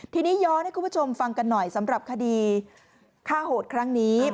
ทีนี้ย้อนให้คุณผู้ชมฟังกันหน่อยสำหรับคดีฆ่าโหดครั้งนี้